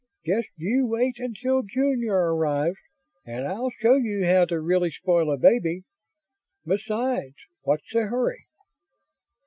"Just you wait until Junior arrives and I'll show you how to really spoil a baby. Besides, what's the hurry?"